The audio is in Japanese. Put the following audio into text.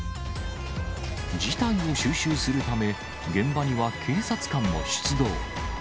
事態を収拾するため、現場には警察官も出動。